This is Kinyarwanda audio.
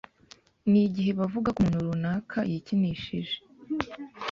n’igihe bavuga ko umuntu runaka yikinishije